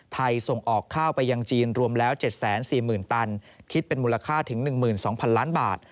ส่งออกข้าวไปยังจีนรวมแล้ว๗๔๐๐๐ตันคิดเป็นมูลค่าถึง๑๒๐๐๐ล้านบาท